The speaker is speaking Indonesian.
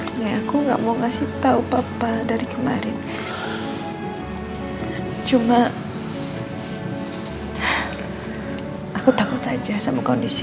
hai aku nggak mau ngasih tahu papa dari kemarin cuma aku takut aja sama kondisi